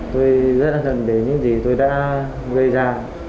tôi rất là thân đề những gì tôi đã gây ra